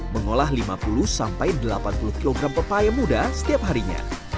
mengolah lima puluh sampai delapan puluh kg pepaya muda setiap harinya